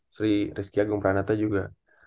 sri rizky agung pranata juga